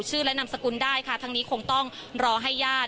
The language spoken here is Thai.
พูดสิทธิ์ข่าวธรรมดาทีวีรายงานสดจากโรงพยาบาลพระนครศรีอยุธยาครับ